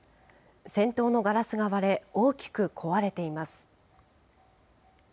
先頭のガラスが割れ、大きく壊れています。